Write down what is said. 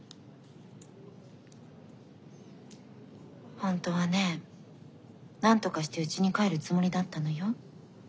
本当はねなんとかしてうちに帰るつもりだったのよ。